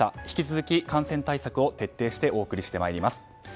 引き続き感染対策を徹底してお送りしてまいります。